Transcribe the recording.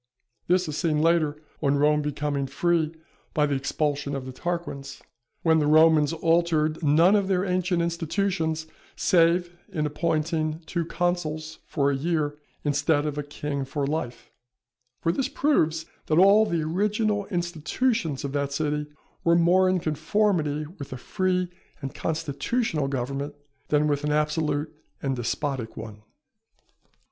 This is seen later, on Rome becoming free by the expulsion of the Tarquins, when the Romans altered none of their ancient institutions save in appointing two consuls for a year instead of a king for life; for this proves that all the original institutions of that city were more in conformity with a free and constitutional government, than with an absolute and despotic one.